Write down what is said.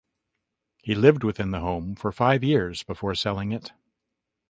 He lived within the home for five years before selling it.